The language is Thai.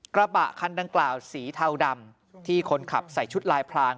กระบะคันดังกล่าวสีเทาดำที่คนขับใส่ชุดลายพลาง